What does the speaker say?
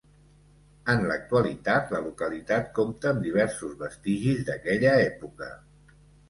En l'actualitat la localitat compta amb diversos vestigis d'aquella època.